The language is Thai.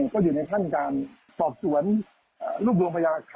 ก็อยู่ในท่านการปลอบสะวนรูปโดยมพยาเกียร์อั